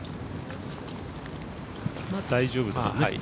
大丈夫ですね。